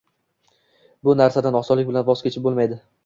Bu nrsadan osonlik bilan voz kechib bo’lmaydi.